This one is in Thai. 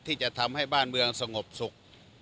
ที่จะทำให้บ้านเมืองสงบสุข